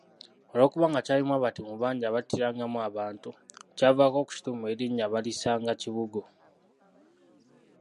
Olw’okuba nga kyalimu abatemu bangi abattirangamu abantu, kyavaako okukituuma erinnya Balisangakibugo.